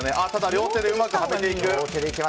両手でうまくはめていく。